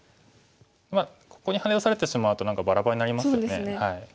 まあここにハネ出されてしまうと何かバラバラになりますよね。